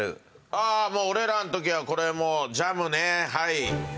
ああ俺らの時はこれもうジャムねはい。